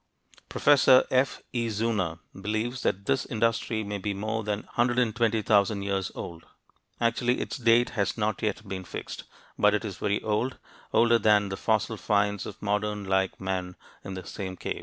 Professor F. E. Zeuner believes that this industry may be more than 120,000 years old; actually its date has not yet been fixed, but it is very old older than the fossil finds of modern like men in the same caves.